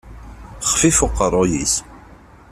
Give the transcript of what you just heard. Yexfif uqerruy-is.